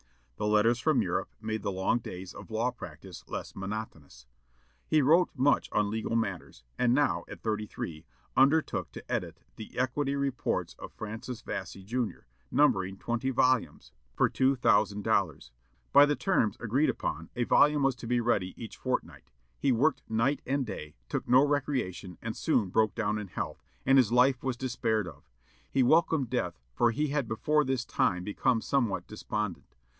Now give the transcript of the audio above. The letters from Europe made the long days of law practice less monotonous. He wrote much on legal matters; and now, at thirty three, undertook to edit the "Equity Reports" of Francis Vesey, Jr., numbering twenty volumes, for two thousand dollars. By the terms agreed upon, a volume was to be ready each fortnight. He worked night and day, took no recreation, and soon broke down in health; and his life was despaired of. He welcomed death, for he had before this time become somewhat despondent.